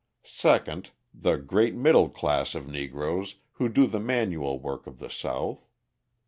Second, the great middle class of Negroes who do the manual work of the South.